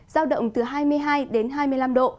giao động từ hai mươi hai đến hai mươi năm độ